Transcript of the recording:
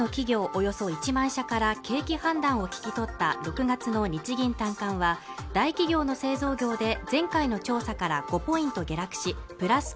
およそ１万社から景気判断を聞き取った６月の日銀短観は大企業の製造業で前回の調査から５ポイント下落しプラス